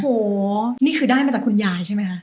โอ้โหนี่คือได้มาจากคุณยายใช่ไหมคะ